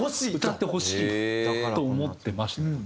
歌ってほしいと思ってましたよね。